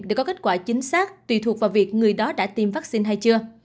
để có kết quả chính xác tùy thuộc vào việc người đó đã tiêm vaccine hay chưa